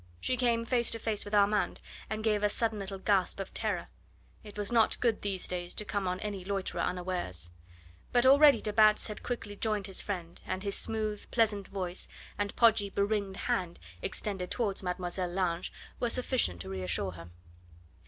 She came face to face with Armand, and gave a sudden little gasp of terror. It was not good these days to come on any loiterer unawares. But already de Batz had quickly joined his friend, and his smooth, pleasant voice, and podgy, beringed hand extended towards Mlle. Lange, were sufficient to reassure her.